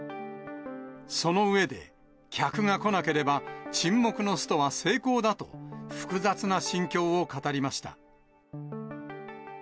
その上で、客が来なければ沈黙のストは成功だと、複雑な心境を語りました。